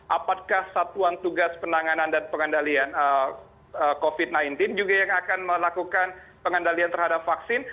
apakah satuan tugas penanganan dan pengendalian covid sembilan belas juga yang akan melakukan pengendalian terhadap vaksin